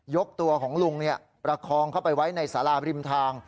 กตัวของลุงประคองเข้าไปไว้ในสาราบริมทาง